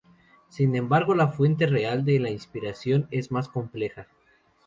Sin embargo, la fuente real de la inspiración es más compleja.